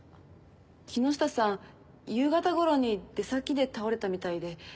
木下さん夕方ごろに出先で倒れたみたいで。